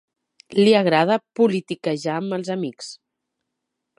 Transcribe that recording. Li agrada politiquejar amb els amics.